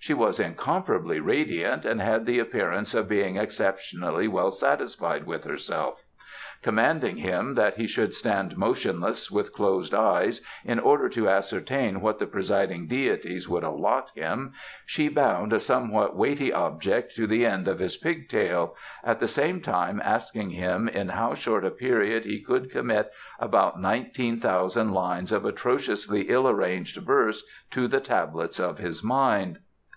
She was incomparably radiant and had the appearance of being exceptionally well satisfied with herself. Commanding him that he should stand motionless with closed eyes, in order to ascertain what the presiding deities would allot him, she bound a somewhat weighty object to the end of his pig tail, at the same time asking him in how short a period he could commit about nineteen thousand lines of atrociously ill arranged verse to the tablets of his mind.